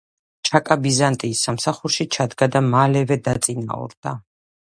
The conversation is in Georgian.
ჩაკა ბიზანტიის სამსახურში ჩადგა და მალევე დაწინაურდა.